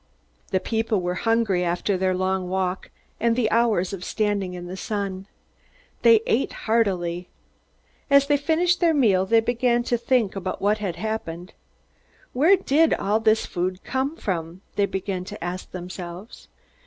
The people were hungry after their long walk and the hours of standing in the sun. They ate heartily. As they finished their meal, they began to think about what had happened. "Where did all this food come from?" they began to ask themselves.